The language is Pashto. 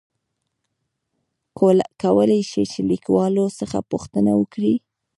کولاى شې ،چې له کليوالو څخه پوښتنه وکړې ؟